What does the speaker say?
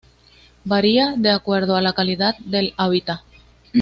Varía de acuerdo a la calidad del hábitat.